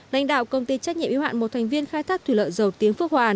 lãnh đạo công ty trách nhiệm yếu hạn một thành viên khai thác thủy lợi dầu tiếng phước hòa